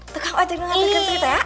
tukang ojek nganturin kita ya